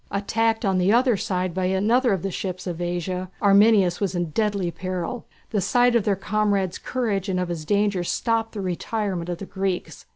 Attacked on the other side by another of the ships of Asia, Arminias was in deadly peril. The sight of their comrade's courage and of his danger stopped the retirement of the Greeks.